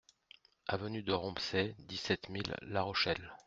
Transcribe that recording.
Avenue DE ROMPSAY, dix-sept mille La Rochelle